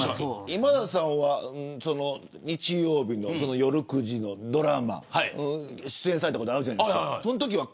今田さんは日曜日の夜９時のドラマ出演されたことあるじゃないですか、そのときは。